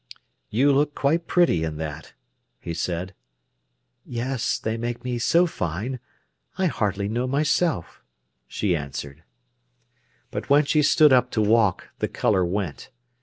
"But you look quite pretty in that," he said. "Yes; they make me so fine, I hardly know myself," she answered. But when she stood up to walk, the colour went.